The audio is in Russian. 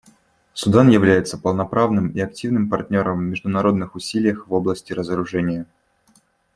Судан является полноправным и активным партнером в международных усилиях в области разоружения.